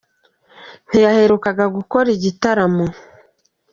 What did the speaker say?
Ntiyaherukaga gukora igitaramo